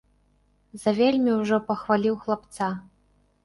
Завельмі ўжо пахваліў хлапца.